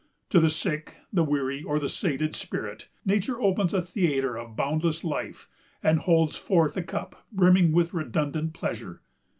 To the sick, the wearied, or the sated spirit, nature opens a theatre of boundless life, and holds forth a cup brimming with redundant pleasure.